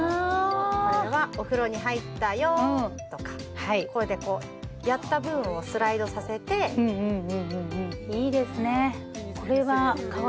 これはお風呂に入ったよとかこれでこうやった分をスライドさせてうんうんいいですね